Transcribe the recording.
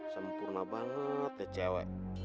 sempurna banget ya cewek